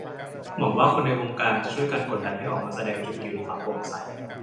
หวังว่าคนในวงการจะช่วยกันกดดันให้ออกมาแสดงจุดยื่นความโปร่งใส